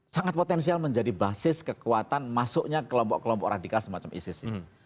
sangat potensial menjadi basis kekuatan masuknya kelompok kelompok radikal semacam isis ini